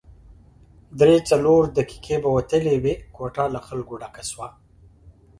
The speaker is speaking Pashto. درې څلور دقیقې به وتلې وې، کوټه له خلکو ډکه شوه.